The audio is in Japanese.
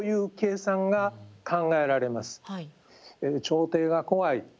朝廷が怖い。